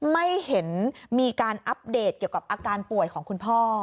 ไม่เห็นมีการอัปเดตเกี่ยวกับอาการป่วยของคุณพ่อ